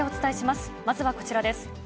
まずはこちらです。